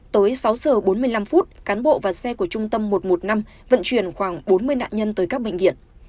tới sáu giờ bốn mươi năm phút cán bộ và xe của trung tâm một trăm một mươi năm vận chuyển khoảng bốn mươi nạn nhân tới các bệnh viện